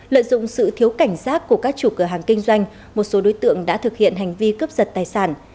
lợi dụng sự thiếu cảnh giác của các chủ cửa hàng kinh doanh một số đối tượng đã thực hiện hành vi cướp giật tài sản